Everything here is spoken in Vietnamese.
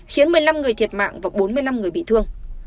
khiến một mươi năm người thiệt mạng và bốn mươi năm người bị thương